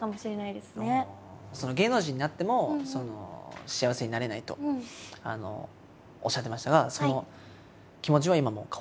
「芸能人になっても幸せになれない」とおっしゃってましたがその気持ちは今も変わらず？